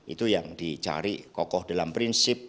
itu yang dicari kokoh dalam prinsip